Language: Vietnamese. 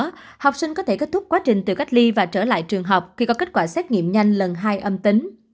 trong đó học sinh có thể kết thúc quá trình từ cách ly và trở lại trường học khi có kết quả xét nghiệm nhanh lần hai âm tính